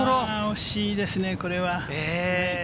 惜しいですね、これは。